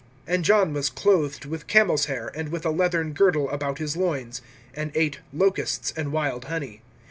(6)And John was clothed with camel's hair, and with a leathern girdle about his loins, and ate locusts and wild honey.